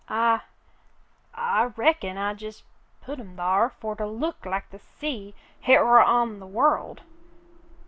"I — I reckon I jes' put 'em thar fer to look like the sea hit war on the world.